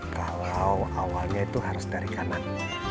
kalau awalnya itu harus dari kanan